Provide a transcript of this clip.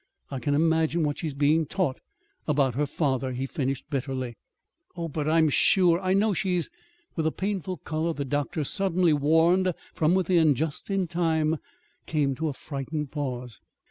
I can imagine what she's being taught about her father," he finished bitterly. "Oh, but I'm sure I know she's " With a painful color the doctor, suddenly warned from within just in time, came to a frightened pause.